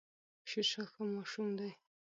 شيرشاه ښه ماشوم دی